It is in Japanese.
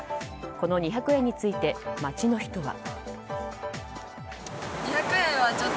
この２００円について街の人は。